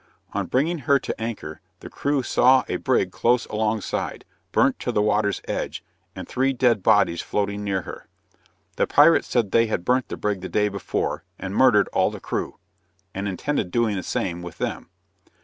On bringing her to anchor, the crew saw a brig close alongside, burnt to the water's edge, and three dead bodies floating near her. The pirates said they had burnt the brig the day before, and murdered all the crew! and intended doing the same with them.